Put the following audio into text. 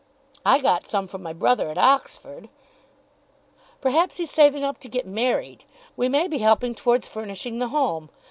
"I got some from my brother at Oxford." "Perhaps he's saving up to get married. We may be helping towards furnishing the home.